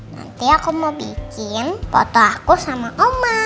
nanti aku mau bikin foto aku sama oma